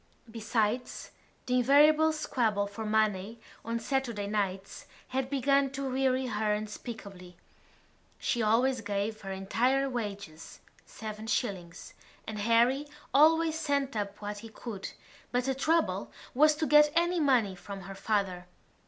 Besides, the invariable squabble for money on Saturday nights had begun to weary her unspeakably. She always gave her entire wages—seven shillings—and Harry always sent up what he could but the trouble was to get any money from her father.